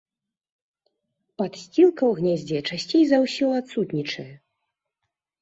Падсцілка ў гняздзе часцей за ўсё адсутнічае.